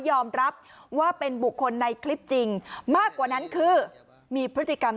ยอมรับว่าเป็นบุคคลในคลิปจริงมากกว่านั้นคือมีพฤติกรรม